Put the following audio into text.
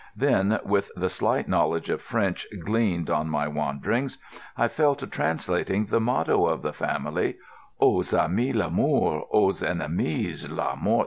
Then, with the slight knowledge of French gleaned on my wanderings, I fell to translating the motto of the family, "Aux amis l'amour, aux ennemis la mort."